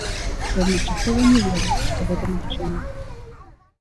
І адначасова не вераць, што гэта магчыма.